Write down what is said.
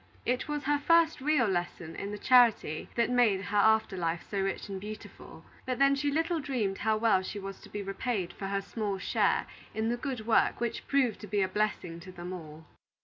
It was her first real lesson in the charity that made her after life so rich and beautiful; but then she little dreamed how well she was to be repaid for her small share in the good work which proved to be a blessing to them all.